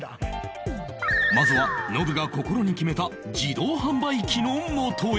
まずはノブが心に決めた自動販売機の元へ